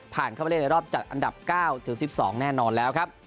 เข้าไปเล่นในรอบจัดอันดับ๙ถึง๑๒แน่นอนแล้วครับ